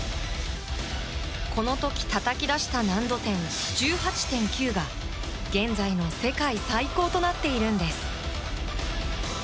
この時たたき出した難度点１８．９が現在の世界最高となっているんです。